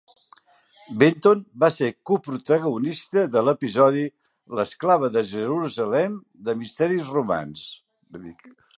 Benton va ser coprotagonista de l'episodi "L'esclava de Jerusalem" de "Misteris romans".